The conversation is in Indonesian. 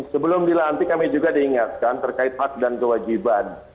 sebelum dilantik kami juga diingatkan terkait hak dan kewajiban